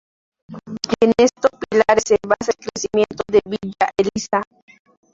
En estos pilares, se basa el crecimiento de Villa Elisa.